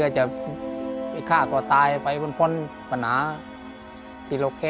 และกับผู้จัดการที่เขาเป็นดูเรียนหนังสือ